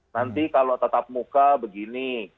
nanti kalau tetap muka begini